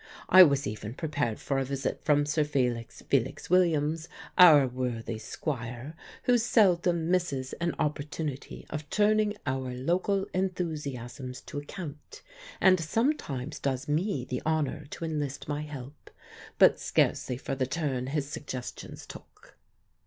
I was even prepared for a visit from Sir Felix Felix Williams, our worthy Squire, who seldom misses an opportunity of turning our local enthusiasms to account, and sometimes does me the honour to enlist my help; but scarcely for the turn his suggestions took.